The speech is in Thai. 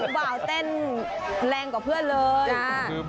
บ่าวเต้นแรงกว่าเพื่อนเลย